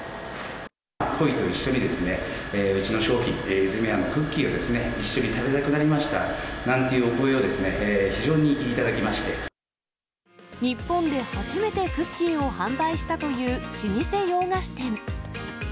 トイと一緒にうちの商品、泉屋のクッキーを一緒に食べたくなりましたなんていうお声を、日本で初めてクッキーを販売したという、老舗洋菓子店。